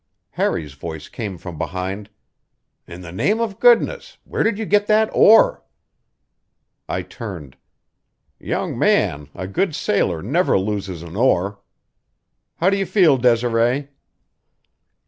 Harry's voice came from behind: "In the name of goodness, where did you get that oar?" I turned. "Young man, a good sailor never loses an oar. How do you feel, Desiree?"